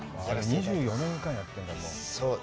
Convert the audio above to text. ２４年間やってんだ、もう。